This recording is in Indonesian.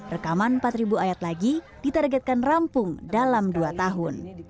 rekaman empat ribu ayat lagi ditargetkan rampung dalam dua tahun